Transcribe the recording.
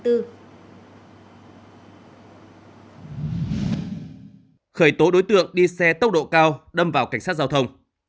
khởi tố đối tượng đi xe tốc độ cao đâm vào cảnh sát giao thông